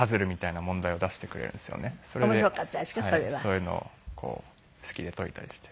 そういうのを好きで解いたりして。